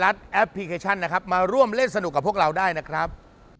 แอปพลิเคชันนะครับมาร่วมเล่นสนุกกับพวกเราได้นะครับ